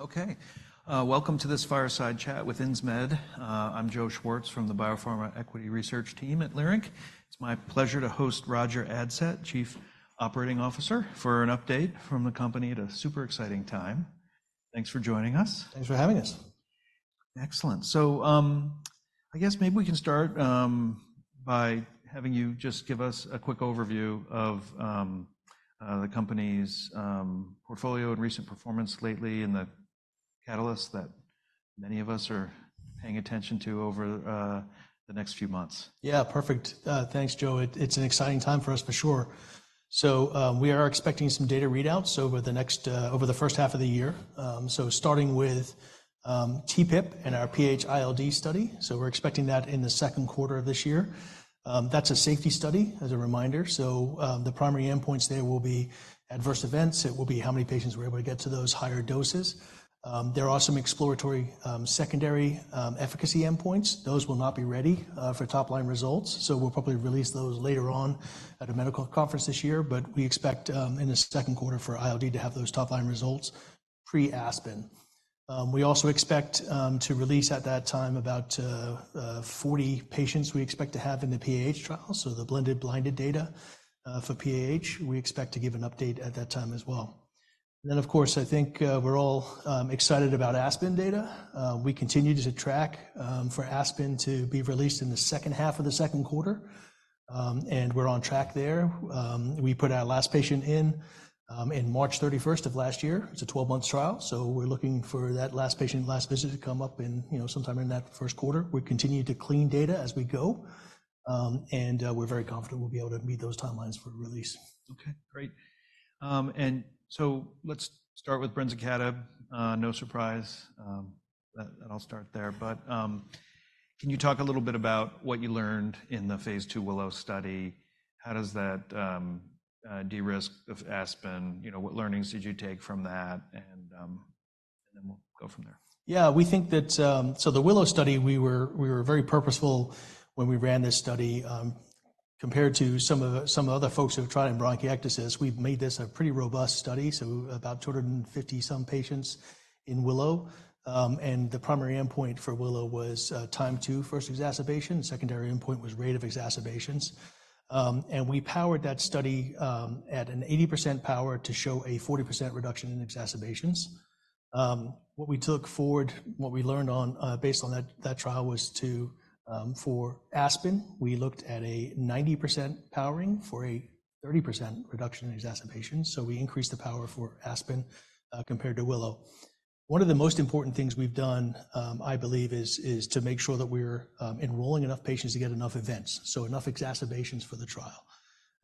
Okay, welcome to this fireside chat with Insmed. I'm Joe Schwartz from the Biopharma Equity Research Team at Leerink. It's my pleasure to host Roger Adsett, Chief Operating Officer, for an update from the company at a super exciting time. Thanks for joining us. Thanks for having us. Excellent. So I guess maybe we can start by having you just give us a quick overview of the company's portfolio and recent performance lately and the catalysts that many of us are paying attention to over the next few months. Yeah, perfect. Thanks, Joe. It's an exciting time for us, for sure. We are expecting some data readouts over the first half of the year. Starting with TPIP and our PH-ILD study. We're expecting that in the second quarter of this year. That's a safety study, as a reminder. The primary endpoints there will be adverse events. It will be how many patients we're able to get to those higher doses. There are some exploratory secondary efficacy endpoints. Those will not be ready for top-line results. We'll probably release those later on at a medical conference this year. But we expect in the second quarter for ILD to have those top-line results pre-ASPEN. We also expect to release at that time about 40 patients we expect to have in the PH trial. The blended blinded data for PH. We expect to give an update at that time as well. And then, of course, I think we're all excited about Aspen data. We continue to track for Aspen to be released in the second half of the second quarter. And we're on track there. We put our last patient in March 31st of last year. It's a 12-month trial. So we're looking for that last patient last visit to come up sometime in that first quarter. We continue to clean data as we go. And we're very confident we'll be able to meet those timelines for release. Okay, great. And so let's start with brensocatib. No surprise. I'll start there. But can you talk a little bit about what you learned in the phase 2 WILLOW study? How does that de-risk of ASPEN? What learnings did you take from that? And then we'll go from there. Yeah, we think that so the WILLOW study, we were very purposeful when we ran this study. Compared to some of the other folks who have tried in bronchiectasis, we've made this a pretty robust study. So about 250-some patients in WILLOW. And the primary endpoint for WILLOW was time to first exacerbation. Secondary endpoint was rate of exacerbations. And we powered that study at an 80% power to show a 40% reduction in exacerbations. What we took forward, what we learned based on that trial was to for ASPEN, we looked at a 90% powering for a 30% reduction in exacerbations. So we increased the power for ASPEN compared to WILLOW. One of the most important things we've done, I believe, is to make sure that we're enrolling enough patients to get enough events. So enough exacerbations for the trial.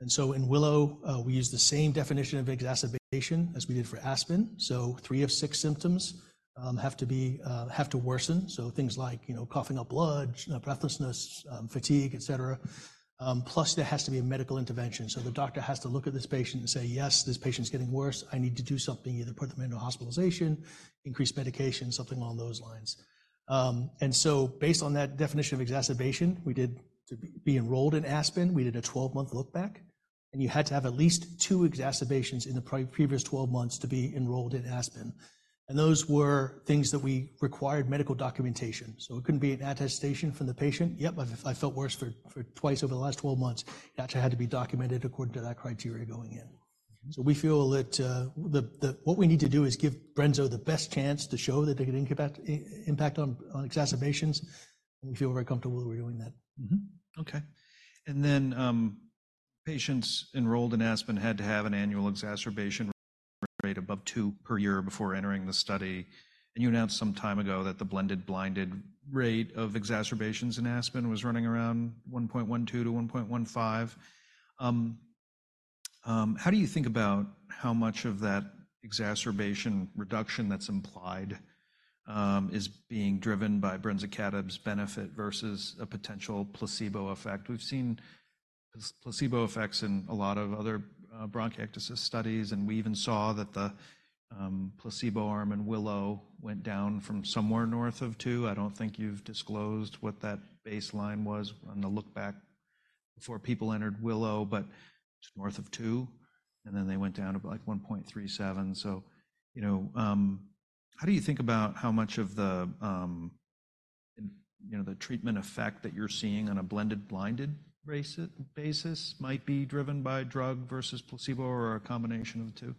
In WILLOW, we use the same definition of exacerbation as we did for ASPEN. So three of six symptoms have to worsen. So things like coughing up blood, breathlessness, fatigue, et cetera. Plus there has to be a medical intervention. So the doctor has to look at this patient and say, yes, this patient's getting worse. I need to do something. Either put them into hospitalization, increase medication, something along those lines. And so based on that definition of exacerbation, we did. To be enrolled in ASPEN, we did a 12-month lookback. And you had to have at least two exacerbations in the previous 12 months to be enrolled in ASPEN. And those were things that we required medical documentation. So it couldn't be an attestation from the patient, yep, I felt worse for twice over the last 12 months. That had to be documented according to that criteria going in. So we feel that what we need to do is give brenzo the best chance to show that they can impact on exacerbations. We feel very comfortable that we're doing that. Okay. And then patients enrolled in ASPEN had to have an annual exacerbation rate above two per year before entering the study. And you announced some time ago that the blended blinded rate of exacerbations in ASPEN was running around 1.12-1.15. How do you think about how much of that exacerbation reduction that's implied is being driven by brensocatib's benefit versus a potential placebo effect? We've seen placebo effects in a lot of other bronchiectasis studies. And we even saw that the placebo arm in WILLOW went down from somewhere north of two. I don't think you've disclosed what that baseline was on the lookback before people entered WILLOW. But north of two. And then they went down to like 1.37. So how do you think about how much of the treatment effect that you're seeing on a blended blinded basis might be driven by drug versus placebo or a combination of the two?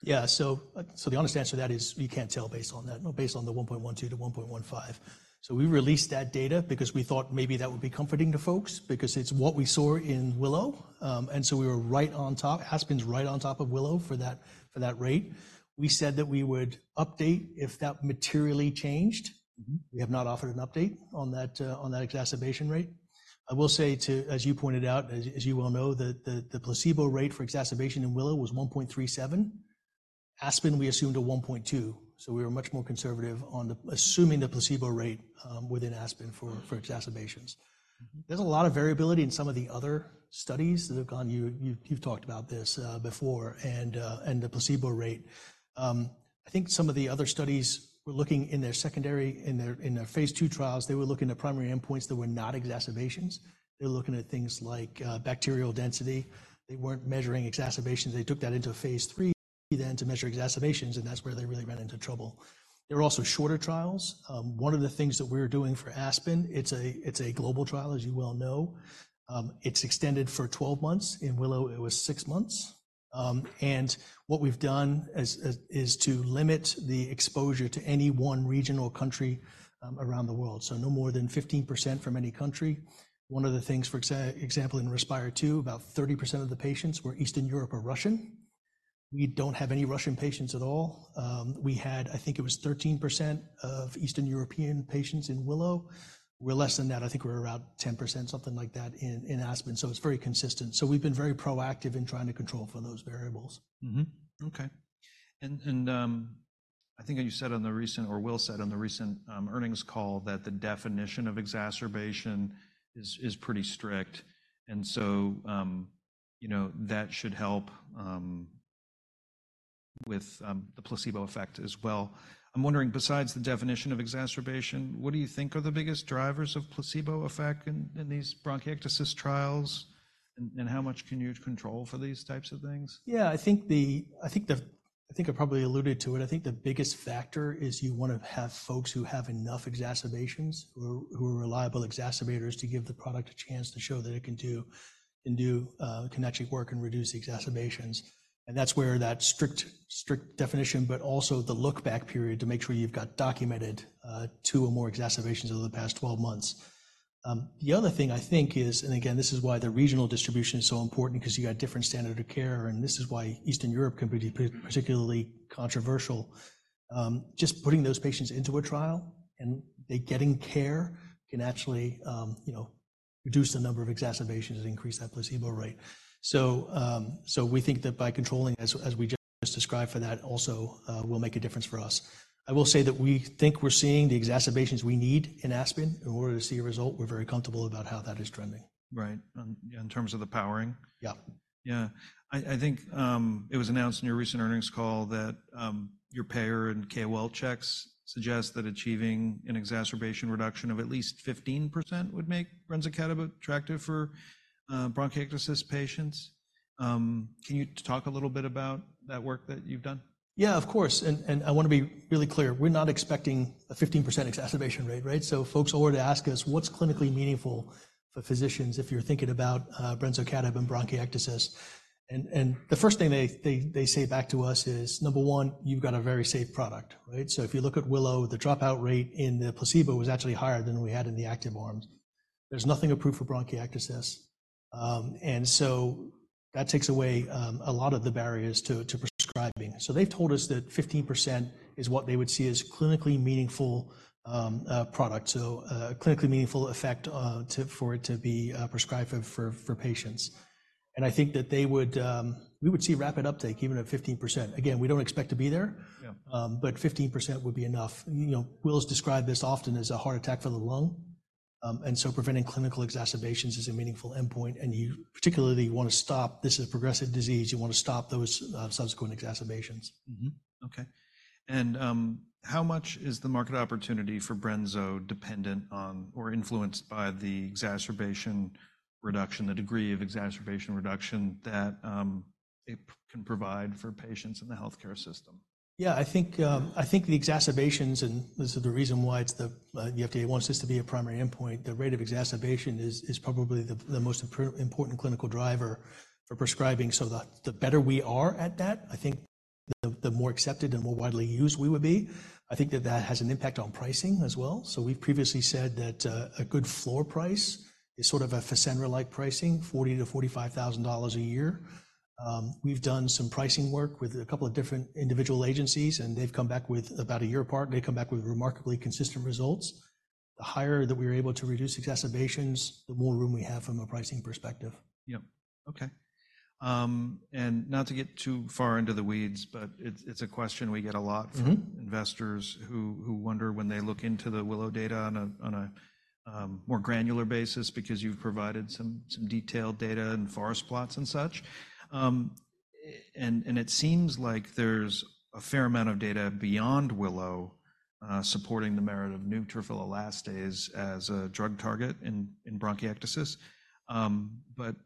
Yeah, so the honest answer to that is you can't tell based on that. Based on the 1.12-1.15. So we released that data because we thought maybe that would be comforting to folks. Because it's what we saw in Willow. And so we were right on top. Aspen's right on top of Willow for that rate. We said that we would update if that materially changed. We have not offered an update on that exacerbation rate. I will say too, as you pointed out, as you well know, that the placebo rate for exacerbation in Willow was 1.37. Aspen, we assumed a 1.2. So we were much more conservative on assuming the placebo rate within Aspen for exacerbations. There's a lot of variability in some of the other studies that have gone. You've talked about this before and the placebo rate. I think some of the other studies we're looking in their secondary in their phase 2 trials, they were looking at primary endpoints that were not exacerbations. They were looking at things like bacterial density. They weren't measuring exacerbations. They took that into phase 3 then to measure exacerbations. And that's where they really ran into trouble. There are also shorter trials. One of the things that we're doing for ASPEN, it's a global trial, as you well know. It's extended for 12 months. In WILLOW, it was 6 months. And what we've done is to limit the exposure to any one region or country around the world. So no more than 15% from any country. One of the things, for example, in RESPIRE 2, about 30% of the patients were Eastern Europe or Russian. We don't have any Russian patients at all. We had, I think it was 13% of Eastern European patients in WILLOW. We're less than that. I think we're around 10%, something like that in ASPEN. So it's very consistent. So we've been very proactive in trying to control for those variables. Okay. And I think you said on the recent or Will said on the recent earnings call that the definition of exacerbation is pretty strict. And so that should help with the placebo effect as well. I'm wondering, besides the definition of exacerbation, what do you think are the biggest drivers of placebo effect in these bronchiectasis trials? And how much can you control for these types of things? Yeah, I think I probably alluded to it. I think the biggest factor is you want to have folks who have enough exacerbations, who are reliable exacerbators, to give the product a chance to show that it can actually work and reduce the exacerbations. And that's where that strict definition, but also the lookback period to make sure you've got documented two or more exacerbations over the past 12 months. The other thing I think is, and again, this is why the regional distribution is so important, because you got different standard of care. And this is why Eastern Europe can be particularly controversial. Just putting those patients into a trial and they getting care can actually reduce the number of exacerbations and increase that placebo rate. So we think that by controlling, as we just described for that, also will make a difference for us. I will say that we think we're seeing the exacerbations we need in Aspen. In order to see a result, we're very comfortable about how that is trending. Right. In terms of the powering? Yeah. Yeah. I think it was announced in your recent earnings call that your payer and KOL checks suggest that achieving an exacerbation reduction of at least 15% would make brensocatib attractive for bronchiectasis patients. Can you talk a little bit about that work that you've done? Yeah, of course. And I want to be really clear. We're not expecting a 15% exacerbation rate, right? So folks already ask us, what's clinically meaningful for physicians if you're thinking about brensocatib and bronchiectasis? And the first thing they say back to us is, number one, you've got a very safe product, right? So if you look at WILLOW, the dropout rate in the placebo was actually higher than we had in the active arms. There's nothing approved for bronchiectasis. And so that takes away a lot of the barriers to prescribing. So they've told us that 15% is what they would see as clinically meaningful product. So a clinically meaningful effect for it to be prescribed for patients. And I think that we would see rapid uptake, even at 15%. Again, we don't expect to be there. But 15% would be enough. has described this often as a heart attack for the lung. So preventing clinical exacerbations is a meaningful endpoint. You particularly want to stop. This is a progressive disease. You want to stop those subsequent exacerbations. Okay. And how much is the market opportunity for brensocatib dependent on or influenced by the exacerbation reduction, the degree of exacerbation reduction that it can provide for patients in the health care system? Yeah, I think the exacerbations and this is the reason why it's the FDA wants this to be a primary endpoint. The rate of exacerbation is probably the most important clinical driver for prescribing. So the better we are at that, I think the more accepted and more widely used we would be. I think that that has an impact on pricing as well. So we've previously said that a good floor price is sort of a Fasenra-like pricing, $40,000-$45,000 a year. We've done some pricing work with a couple of different individual agencies. And they've come back with about a year apart, they come back with remarkably consistent results. The higher that we were able to reduce exacerbations, the more room we have from a pricing perspective. Yeah. Okay. And not to get too far into the weeds, but it's a question we get a lot from investors who wonder when they look into the Willow data on a more granular basis, because you've provided some detailed data and forest plots and such. And it seems like there's a fair amount of data beyond Willow supporting the merit of neutrophil elastase as a drug target in bronchiectasis. But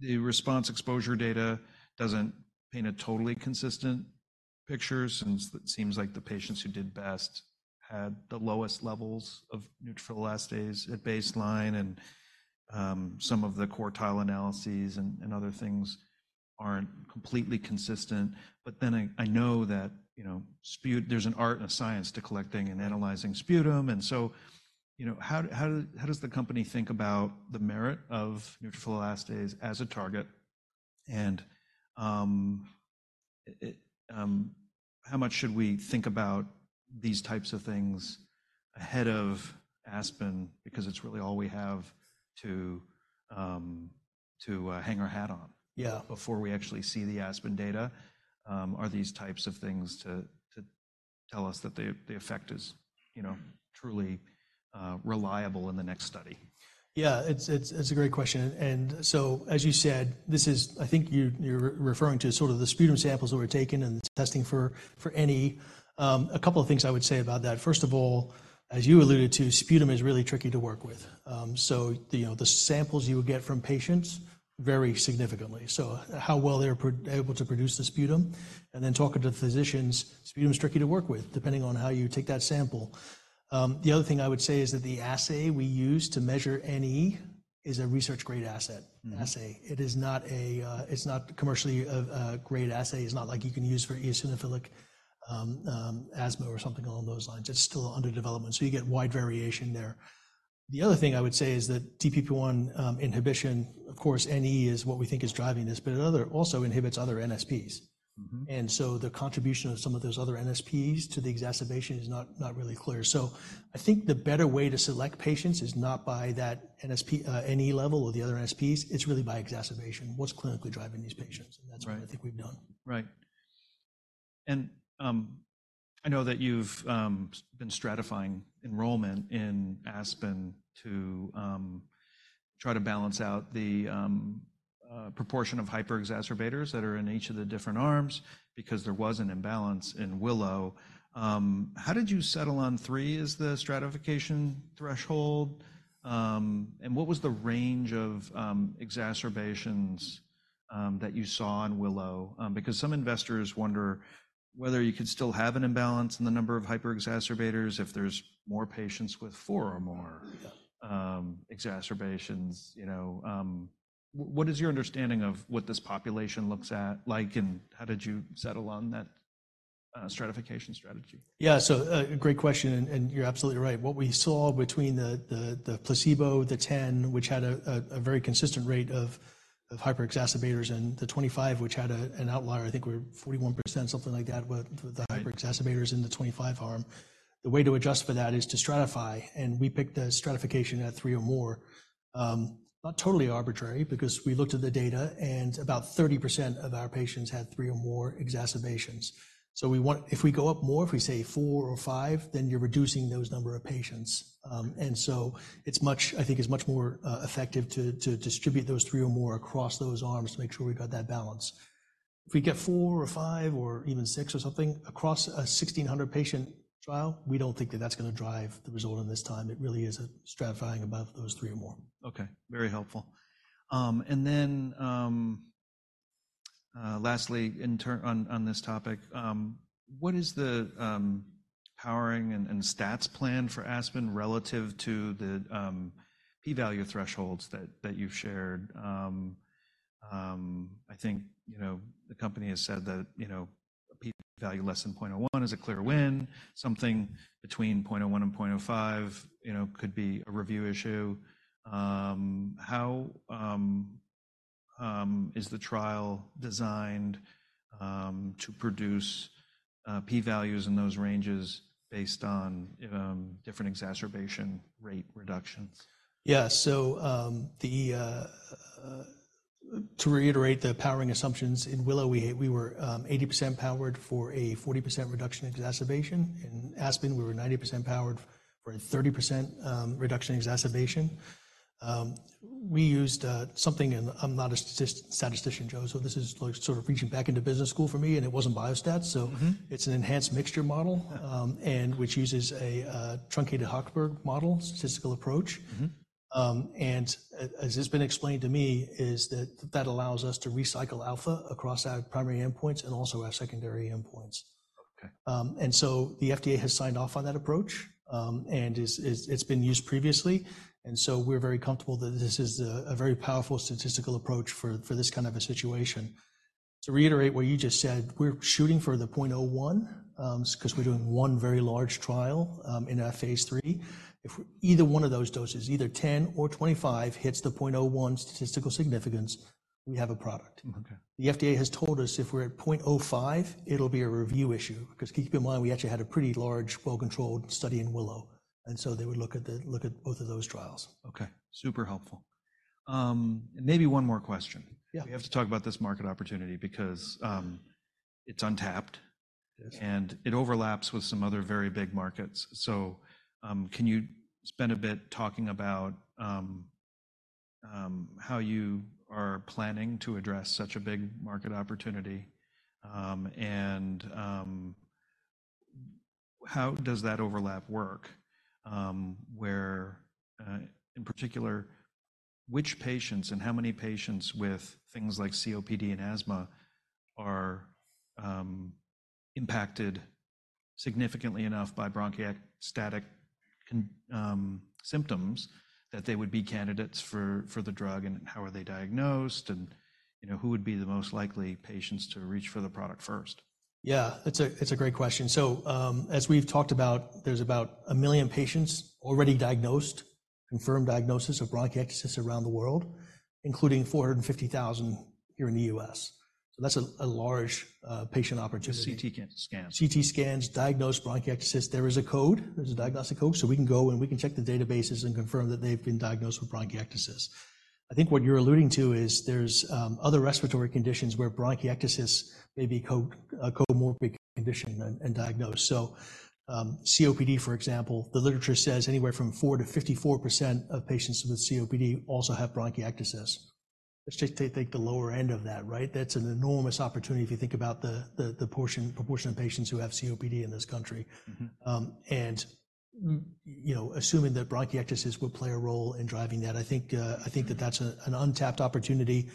the response exposure data doesn't paint a totally consistent picture. Since it seems like the patients who did best had the lowest levels of neutrophil elastase at baseline. And some of the quartile analyses and other things aren't completely consistent. But then I know that there's an art and a science to collecting and analyzing sputum. And so how does the company think about the merit of neutrophil elastase as a target? How much should we think about these types of things ahead of Aspen, because it's really all we have to hang our hat on before we actually see the Aspen data? Are these types of things to tell us that the effect is truly reliable in the next study? Yeah, it's a great question. So as you said, this is, I think, you're referring to sort of the sputum samples that were taken and the testing for any. A couple of things I would say about that. First of all, as you alluded to, sputum is really tricky to work with. So the samples you would get from patients vary significantly. So how well they're able to produce the sputum. And then talking to the physicians, sputum is tricky to work with, depending on how you take that sample. The other thing I would say is that the assay we use to measure NE is a research-grade assay. It is not. It's not commercially a great assay. It's not like you can use for eosinophilic asthma or something along those lines. It's still under development. So you get wide variation there. The other thing I would say is that DPP1 inhibition, of course, NE is what we think is driving this. But it also inhibits other NSPs. And so the contribution of some of those other NSPs to the exacerbation is not really clear. So I think the better way to select patients is not by that NE level or the other NSPs. It's really by exacerbation. What's clinically driving these patients? And that's what I think we've done. Right. And I know that you've been stratifying enrollment in ASPEN to try to balance out the proportion of hyper-exacerbators that are in each of the different arms, because there was an imbalance in WILLOW. How did you settle on three as the stratification threshold? And what was the range of exacerbations that you saw in WILLOW? Because some investors wonder whether you could still have an imbalance in the number of hyper-exacerbators if there's more patients with four or more exacerbations. What is your understanding of what this population looks like? And how did you settle on that stratification strategy? Yeah, so great question. And you're absolutely right. What we saw between the placebo, the 10, which had a very consistent rate of hyper-exacerbators, and the 25, which had an outlier, I think we were 41%, something like that, with the hyper-exacerbators in the 25 arm. The way to adjust for that is to stratify. And we picked a stratification at three or more. Not totally arbitrary, because we looked at the data. And about 30% of our patients had three or more exacerbations. So if we go up more, if we say four or five, then you're reducing those number of patients. And so it's much, I think, is much more effective to distribute those three or more across those arms to make sure we got that balance. If we get four or five or even six or something across a 1,600 patient trial, we don't think that that's going to drive the result in this time. It really is stratifying above those three or more. Okay. Very helpful. Then lastly, on this topic, what is the powering and stats plan for ASPEN relative to the p-value thresholds that you've shared? I think the company has said that a p-value less than 0.01 is a clear win. Something between 0.01 and 0.05 could be a review issue. How is the trial designed to produce p-values in those ranges based on different exacerbation rate reductions? Yeah. So to reiterate the powering assumptions, in WILLOW, we were 80% powered for a 40% reduction in exacerbation. In ASPEN, we were 90% powered for a 30% reduction in exacerbation. We used something and I'm not a statistician, Joe. So this is sort of reaching back into business school for me. And it wasn't Biostats. So it's an enhanced mixture model, which uses a truncated Hochberg model, statistical approach. And as it's been explained to me, is that that allows us to recycle alpha across our primary endpoints and also our secondary endpoints. And so the FDA has signed off on that approach. And it's been used previously. And so we're very comfortable that this is a very powerful statistical approach for this kind of a situation. To reiterate what you just said, we're shooting for the 0.01, because we're doing one very large trial in our phase 3. If either one of those doses, either 10 or 25, hits the 0.01 statistical significance, we have a product. The FDA has told us if we're at 0.05, it'll be a review issue. Because keep in mind, we actually had a pretty large, well-controlled study in Willow. And so they would look at both of those trials. Okay. Super helpful. And maybe one more question. We have to talk about this market opportunity, because it's untapped. And it overlaps with some other very big markets. So can you spend a bit talking about how you are planning to address such a big market opportunity? And how does that overlap work? Where, in particular, which patients and how many patients with things like COPD and asthma are impacted significantly enough by bronchiectasis symptoms that they would be candidates for the drug? And how are they diagnosed? And who would be the most likely patients to reach for the product first? Yeah, it's a great question. So as we've talked about, there's about 1 million patients already diagnosed, confirmed diagnosis of bronchiectasis around the world, including 450,000 here in the U.S. So that's a large patient opportunity. CT scans. CT scans diagnose bronchiectasis. There is a code, there's a diagnostic code. So we can go and we can check the databases and confirm that they've been diagnosed with bronchiectasis. I think what you're alluding to is there's other respiratory conditions where bronchiectasis may be a comorbid condition and diagnosed. So COPD, for example, the literature says anywhere from 4%-54% of patients with COPD also have bronchiectasis. Let's just take the lower end of that, right? That's an enormous opportunity if you think about the proportion of patients who have COPD in this country. And assuming that bronchiectasis would play a role in driving that, I think that that's an untapped opportunity,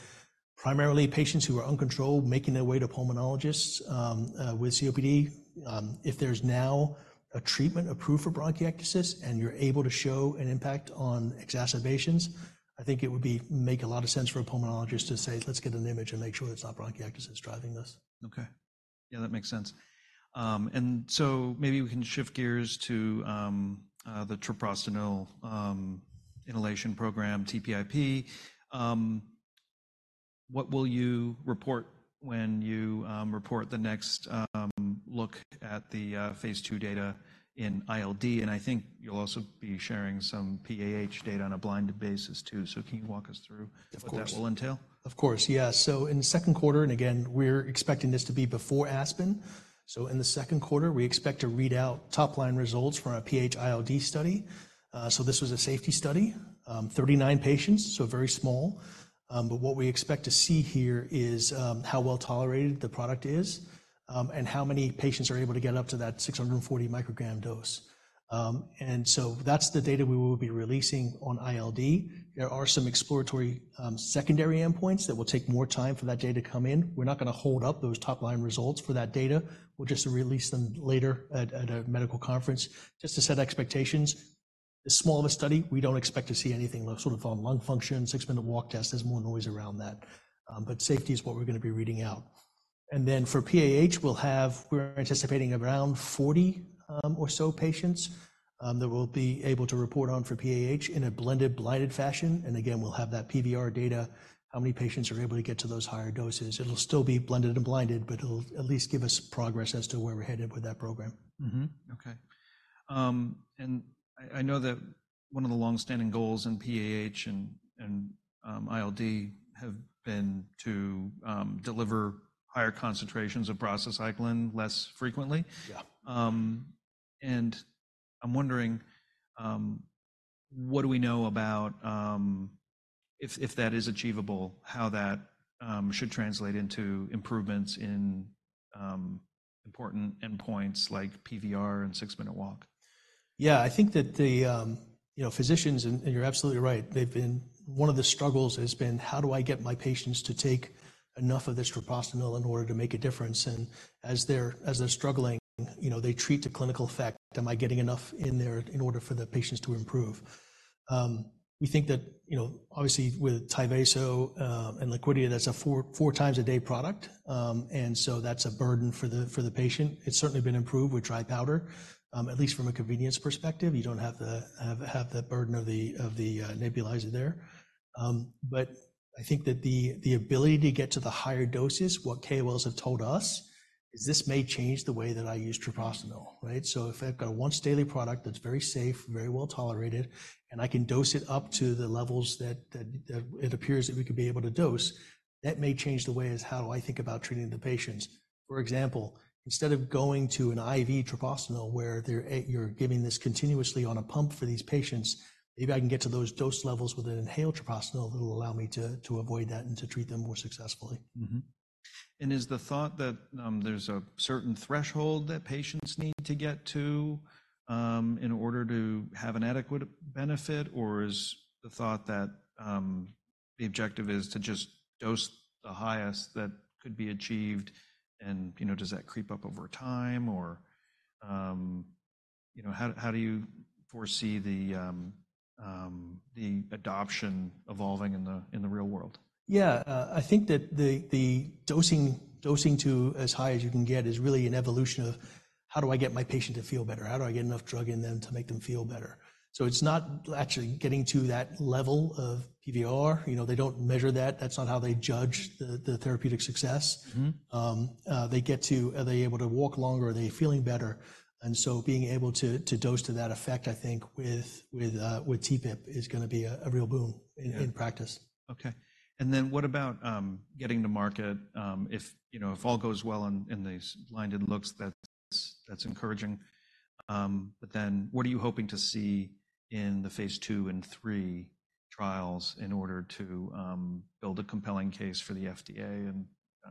primarily patients who are uncontrolled, making their way to pulmonologists with COPD. If there's now a treatment approved for bronchiectasis and you're able to show an impact on exacerbations, I think it would make a lot of sense for a pulmonologist to say, let's get an image and make sure it's not bronchiectasis driving this. Okay. Yeah, that makes sense. And so maybe we can shift gears to the treprostinil inhalation program, TPIP. What will you report when you report the next look at the phase 2 data in ILD? And I think you'll also be sharing some PAH data on a blind basis too. So can you walk us through what that will entail? Of course. Yes. So in the Q2, and again, we're expecting this to be before ASPEN. So in the second quarter, we expect to read out top-line results from a PH-ILD study. So this was a safety study, 39 patients, so very small. But what we expect to see here is how well tolerated the product is. And how many patients are able to get up to that 640-microgram dose. And so that's the data we will be releasing on ILD. There are some exploratory secondary endpoints that will take more time for that data to come in. We're not going to hold up those top-line results for that data. We'll just release them later at a medical conference, just to set expectations. A study this small, we don't expect to see anything sort of on lung function, six-minute walk test. There's more noise around that. But safety is what we're going to be reading out. Then for PAH, we're anticipating around 40 or so patients that we'll be able to report on for PAH in a blended, blinded fashion. Again, we'll have that PVR data, how many patients are able to get to those higher doses. It'll still be blended and blinded, but it'll at least give us progress as to where we're headed with that program. Okay. I know that one of the long-standing goals in PAH and ILD have been to deliver higher concentrations of treprostinil less frequently. I'm wondering, what do we know about if that is achievable, how that should translate into improvements in important endpoints like PVR and six-minute walk? Yeah, I think that the physicians, and you're absolutely right, one of the struggles has been how do I get my patients to take enough of this treprostinil in order to make a difference? And as they're struggling, they treat to clinical effect. Am I getting enough in there in order for the patients to improve? We think that, obviously, with Tyvaso and Liquidia, that's a four times a day product. And so that's a burden for the patient. It's certainly been improved with dry powder, at least from a convenience perspective. You don't have to have the burden of the nebulizer there. But I think that the ability to get to the higher doses, what KOLs have told us, is this may change the way that I use treprostinil, right? So if I've got a once-daily product that's very safe, very well tolerated, and I can dose it up to the levels that it appears that we could be able to dose, that may change the way as how do I think about treating the patients? For example, instead of going to an IV treprostinil where you're giving this continuously on a pump for these patients, maybe I can get to those dose levels with an inhaled treprostinil that will allow me to avoid that and to treat them more successfully. Is the thought that there's a certain threshold that patients need to get to in order to have an adequate benefit? Or is the thought that the objective is to just dose the highest that could be achieved? And does that creep up over time? Or how do you foresee the adoption evolving in the real world? Yeah, I think that the dosing to as high as you can get is really an evolution of how do I get my patient to feel better? How do I get enough drug in them to make them feel better? So it's not actually getting to that level of PVR. They don't measure that. That's not how they judge the therapeutic success. They get to are they able to walk longer? Are they feeling better? And so being able to dose to that effect, I think, with TPIP is going to be a real boom in practice. Okay. And then what about getting to market? If all goes well and these blinded looks, that's encouraging. But then what are you hoping to see in the phase two and three trials in order to build a compelling case for the FDA and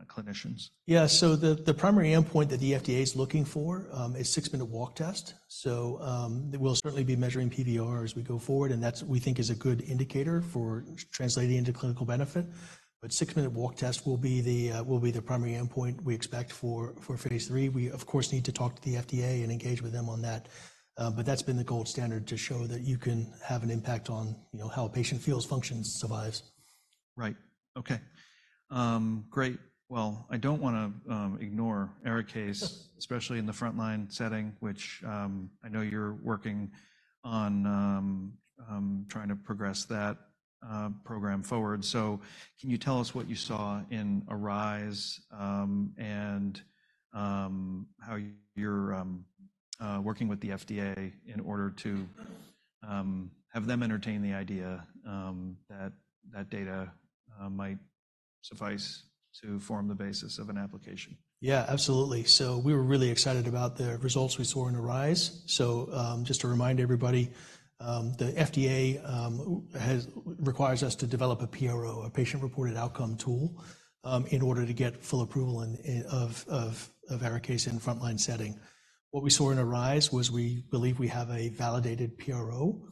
clinicians? Yeah, so the primary endpoint that the FDA is looking for is six-minute walk test. So we'll certainly be measuring PVR as we go forward. And that's, we think, is a good indicator for translating into clinical benefit. But six-minute walk test will be the primary endpoint we expect for phase 3. We, of course, need to talk to the FDA and engage with them on that. But that's been the gold standard to show that you can have an impact on how a patient feels, functions, survives. Right. Okay. Great. Well, I don't want to ignore ARIKAYCE, especially in the frontline setting, which I know you're working on trying to progress that program forward. So can you tell us what you saw in ENCORE and how you're working with the FDA in order to have them entertain the idea that data might suffice to form the basis of an application? Yeah, absolutely. We were really excited about the results we saw in Arise. Just to remind everybody, the FDA requires us to develop a PRO, a patient-reported outcome tool, in order to get full approval of ARIKAYCE in frontline setting. What we saw in Arise was, we believe, we have a validated PRO.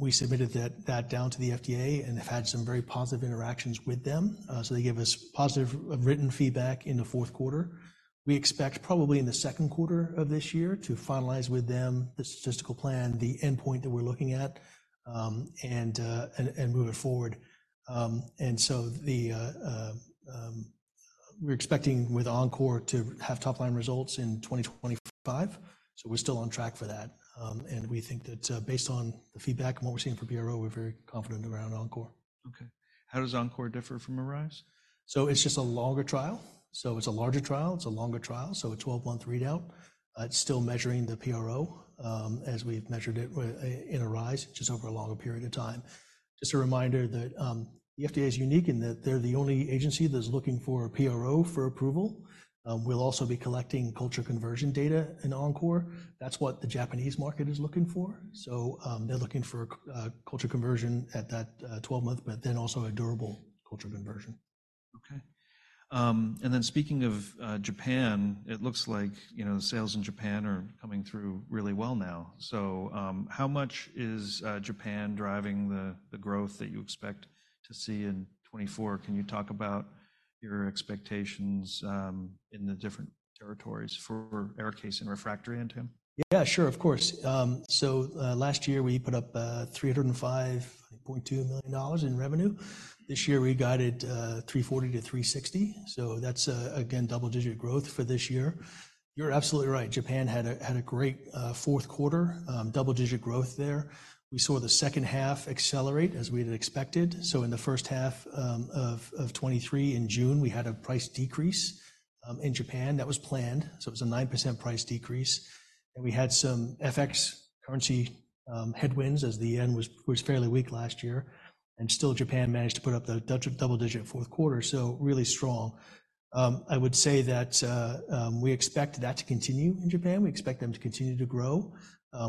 We submitted that down to the FDA and have had some very positive interactions with them. They gave us positive written feedback in the fourth quarter. We expect probably in the second quarter of this year to finalize with them the statistical plan, the endpoint that we're looking at, and move it forward. We're expecting with ENCORE to have top-line results in 2025. We're still on track for that. We think that based on the feedback and what we're seeing from PRO, we're very confident around ENCORE. Okay. How does ENCORE differ from Arise? It's just a longer trial. It's a larger trial. It's a longer trial. A 12-month readout. It's still measuring the PRO as we've measured it in Arise, just over a longer period of time. Just a reminder that the FDA is unique in that they're the only agency that's looking for a PRO for approval. We'll also be collecting culture conversion data in ENCORE. That's what the Japanese market is looking for. They're looking for culture conversion at that 12-month, but then also a durable culture conversion. Okay. And then speaking of Japan, it looks like sales in Japan are coming through really well now. So how much is Japan driving the growth that you expect to see in 2024? Can you talk about your expectations in the different territories for ARIKAYCE and refractory MAC? Yeah, sure, of course. So last year, we put up $305.2 million in revenue. This year, we guided $340-$360. So that's, again, double-digit growth for this year. You're absolutely right. Japan had a great fourth quarter, double-digit growth there. We saw the second half accelerate as we had expected. So in the first half of 2023, in June, we had a price decrease in Japan that was planned. So it was a 9% price decrease. And we had some FX currency headwinds as the yen was fairly weak last year. And still, Japan managed to put up the double-digit fourth quarter, so really strong. I would say that we expect that to continue in Japan. We expect them to continue to grow.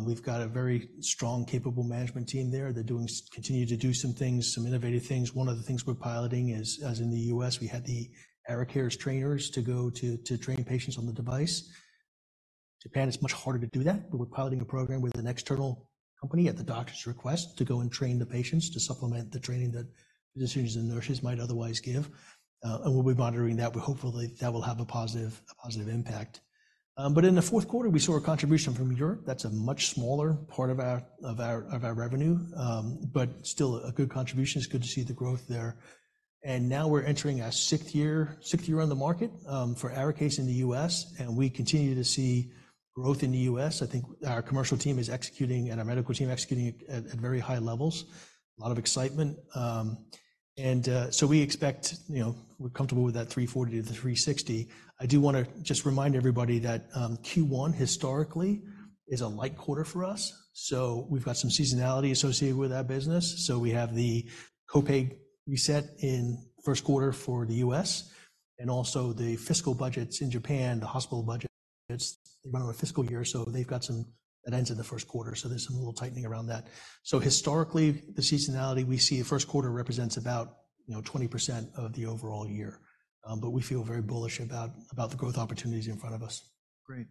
We've got a very strong, capable management team there. They're continuing to do some things, some innovative things. One of the things we're piloting is, as in the U.S., we had the ARIKAYCE trainers to go to train patients on the device. Japan is much harder to do that. But we're piloting a program with an external company at the doctor's request to go and train the patients to supplement the training that physicians and nurses might otherwise give. And we'll be monitoring that. Hopefully, that will have a positive impact. But in the Q4, we saw a contribution from Europe. That's a much smaller part of our revenue. But still, a good contribution. It's good to see the growth there. And now we're entering our sixth year on the market for ARIKAYCE in the U.S. And we continue to see growth in the U.S. I think our commercial team is executing and our medical team executing at very high levels. A lot of excitement. And so we expect we're comfortable with that $340-$360. I do want to just remind everybody that Q1, historically, is a light quarter for us. So we've got some seasonality associated with that business. So we have the copay reset in the Q1 for the U.S. And also the fiscal budgets in Japan, the hospital budgets, they run on a fiscal year. So they've got some that ends in the Q1. So there's some little tightening around that. So historically, the seasonality we see the first quarter represents about 20% of the overall year. But we feel very bullish about the growth opportunities in front of us. Great.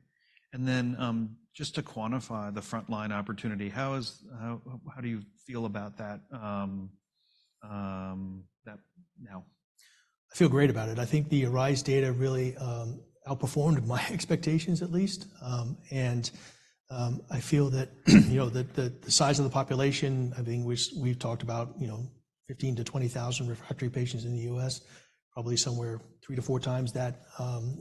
And then just to quantify the front-line opportunity, how do you feel about that now? I feel great about it. I think the ENCORE data really outperformed my expectations, at least. I feel that the size of the population, I think we've talked about 15-20,000 refractory patients in the U.S., probably somewhere 3x-4x that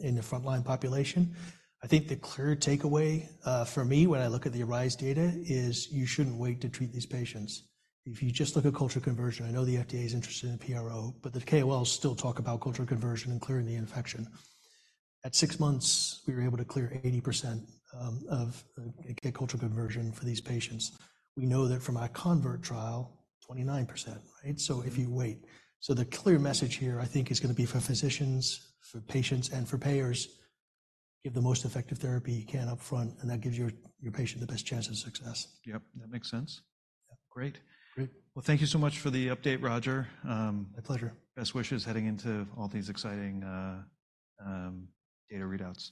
in the front-line population. I think the clear takeaway for me when I look at the ENCORE data is you shouldn't wait to treat these patients. If you just look at culture conversion, I know the FDA is interested in PRO. But the KOLs still talk about culture conversion and clearing the infection. At six months, we were able to clear 80% of culture conversion for these patients. We know that from our CONVERT trial, 29%, right? So if you wait. The clear message here, I think, is going to be for physicians, for patients, and for payers, give the most effective therapy you can upfront. That gives your patient the best chance of success. Yep, that makes sense. Great. Well, thank you so much for the update, Roger. My pleasure. Best wishes heading into all these exciting data readouts.